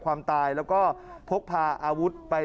ขอบคุณครับ